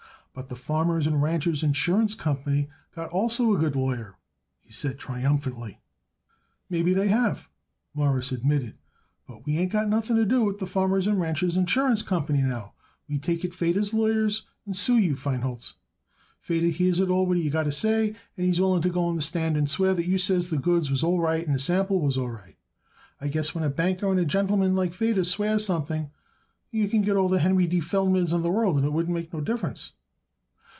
"But the Farmers and Ranchers' Insurance Company got also a good lawyer," he said triumphantly. "Maybe they have," Morris admitted, "but we ain't got nothing to do with the Farmers and Ranchers' Insurance Company now. We take it Feder's lawyers and sue you, Feinholz. Feder hears it all what you got to say, and he is willing to go on the stand and swear that you says that the goods was all right and the sample was all right. I guess when a banker and a gentleman like Feder swears something you could get all the Henry D. Feldmans in the world and it wouldn't make no difference."